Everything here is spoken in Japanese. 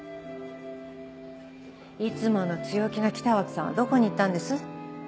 いつもの強気な北脇さんはどこに行ったんです？